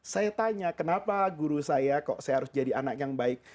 saya tanya kenapa guru saya kok saya harus jadi anak yang baik